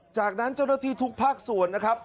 จากนั้นเจ้าหน้าที่ทุกภาคส่วนนะครับ